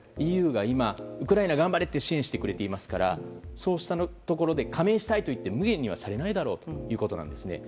ＥＵが今、ウクライナ頑張れと支援してくれていますからそうしたところで加盟したいといってむげにはされないだろうということです。